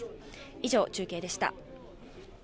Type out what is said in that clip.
以上、中継でした。